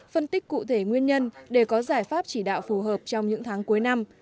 phân tích cụ thể nguyên nhân để có giải pháp chỉ đạo phù hợp trong những tháng cuối năm